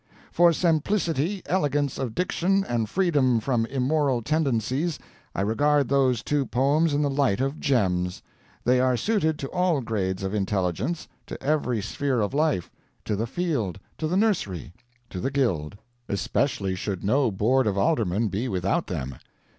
'For simplicity, elegance of diction, and freedom from immoral tendencies, I regard those two poems in the light of gems. They are suited to all grades of intelligence, to every sphere of life to the field, to the nursery, to the guild. Especially should no Board of Aldermen be without them.